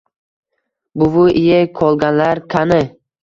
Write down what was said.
Buvi: iye kolganlar kani